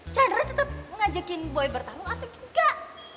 chandra tetep ngajakin boy bertanggung atau enggak